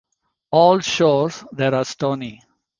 All shores there are stony.